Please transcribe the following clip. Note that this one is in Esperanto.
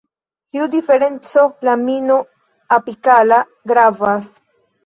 Tiu diferenco lamino-apikala gravas.